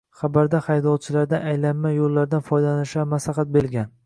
Xabarda haydovchilardan aylanma yo‘llardan foydalanishlari maslahat berilgan